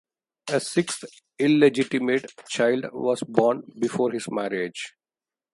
A sixth illegitimate child was born before his marriage.